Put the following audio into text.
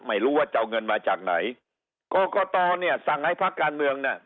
ไม่รู้ว่าจะเอาเงินมาจากไหนกรกตเนี่ยสั่งให้พักการเมืองน่ะ